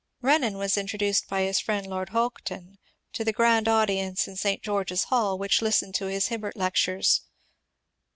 Renan was introduced by his friend Lord Houghton to the grand audience in St. George's Hall which listened to his Hibbert Lectures.